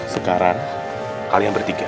sekarang kalian bertiga